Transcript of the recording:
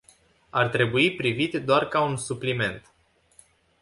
Ar trebui privit doar ca un supliment.